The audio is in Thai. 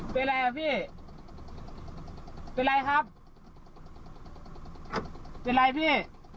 เป็นอะไรอ่ะพี่เป็นไรครับเป็นไรพี่